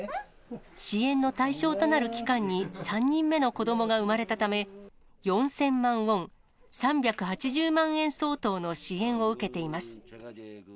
支援の対象となる期間に３人目の子どもが産まれたため、４０００万ウォン、３８０万円相当の支援を受けています。